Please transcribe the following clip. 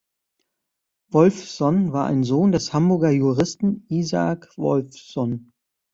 Wolffson war ein Sohn des Hamburger Juristen Isaac Wolffson.